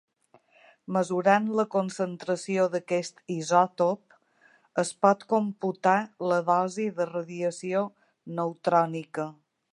Mesurant la concentració d'aquest isòtop, es pot computar la dosi de radiació neutrònica.